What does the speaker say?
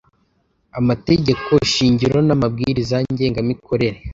amategko shingiro n amabwiriza ngengamikorere